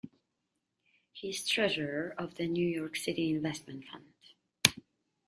He is Treasurer of the New York City Investment Fund.